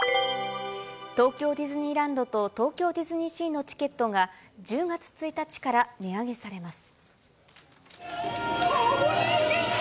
東京ディズニーランドと東京ディズニーシーのチケットが、１０月１日から値上げされます。